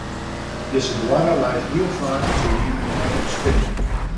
Dizze boarre leit hiel faak by my yn de nekke te spinnen.